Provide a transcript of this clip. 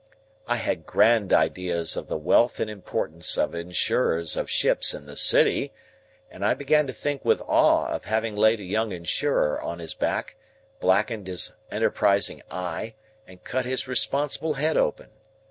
I had grand ideas of the wealth and importance of Insurers of Ships in the City, and I began to think with awe of having laid a young Insurer on his back, blackened his enterprising eye, and cut his responsible head open.